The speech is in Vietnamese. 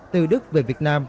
từ đức về việt nam